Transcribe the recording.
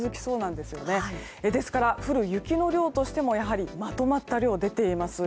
ですから、降る雪の量としてもまとまった量が出ています。